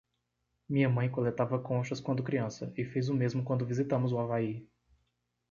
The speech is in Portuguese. Minha mãe coletava conchas quando criança, e fez o mesmo quando visitamos o Havaí.